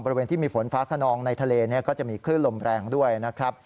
บริเวณที่มีฝนฟ้าขนองในทะเลก็จะมีคลื่นลมแรงด้วยนะครับ